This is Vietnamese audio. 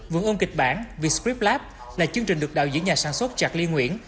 vườn ưng kịch bản vscript lab là chương trình được đạo diễn nhà sản xuất chạc ly nguyễn